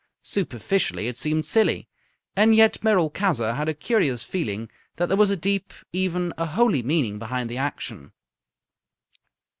Superficially it seemed silly, and yet Merolchazzar had a curious feeling that there was a deep, even a holy, meaning behind the action.